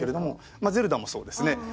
まあ『ゼルダ』もそうですね。